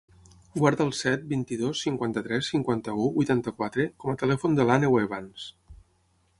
Guarda el set, vint-i-dos, cinquanta-tres, cinquanta-u, vuitanta-quatre com a telèfon de l'Àneu Evans.